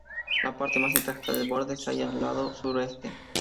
La parte más intacta del borde se halla en el lado sureste.